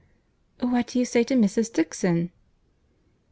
"What do you say to Mrs. Dixon?"